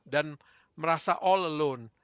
dan merasa all alone